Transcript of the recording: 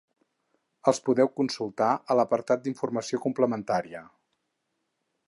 Els podeu consultar a l'apartat d'informació complementària.